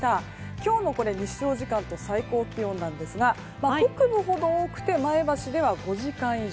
今日の日照時間と最高気温は北部ほど多くて前橋では５時間以上。